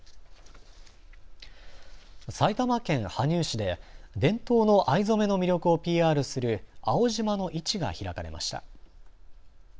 埼玉県羽生市で伝統の藍染めの魅力をＰＲする青縞の市が開かれました。